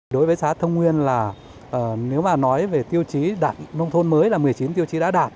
đối với xã thông nguyên là nếu mà nói về tiêu chí nông thôn mới là một mươi chín tiêu chí đã đạt